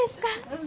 うん。